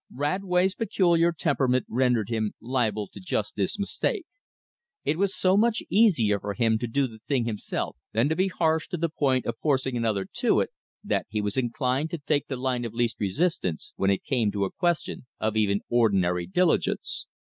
Radway's peculiar temperament rendered him liable to just this mistake. It was so much easier for him to do the thing himself than to be harsh to the point of forcing another to it, that he was inclined to take the line of least resistance when it came to a question of even ordinary diligence.